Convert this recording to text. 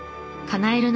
かなえる